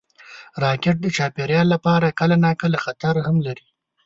راکټ د چاپېریال لپاره کله ناکله خطر هم لري